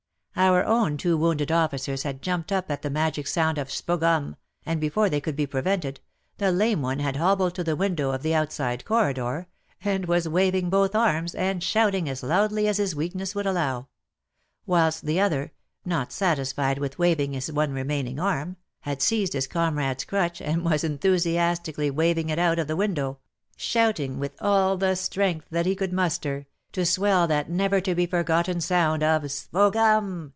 Our own two wounded officers had jumped up at the magic sound of *'Sbogom," and before they could be prevented, the lame one had hobbled to the window of the outside corridor, and was waving both arms and shouting as loudly as his weakness would allow ; whilst the other, not satisfied with waving his one remain ing arm, had seized his comrade's crutch and was enthusiastically waving it out of the window, shouting with all the strength that he could muster, to swell that never to be for gotten sound of '* Sbogom